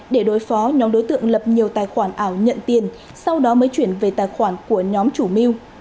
để đối phó nhóm đối tượng lập nhiều tài khoản ảo nhận tiền sau đó mới chuyển về tài khoản của nhóm chủ mưu